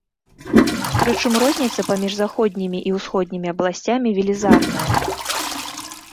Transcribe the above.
Прычым розніца паміж заходнімі і ўсходнімі абласцямі велізарная.